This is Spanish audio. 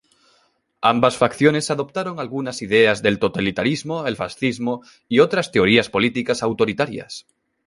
Ambas facciones adoptaron algunas ideas del totalitarismo, el fascismo y otras teorías políticas autoritarias.